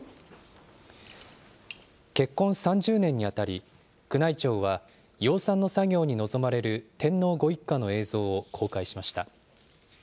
結婚３０年にあたり、宮内庁は養蚕の作業に臨まれる天皇ご一家の映像を公開しました。